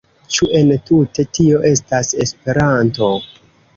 Ĉu entute tio estas Esperanto?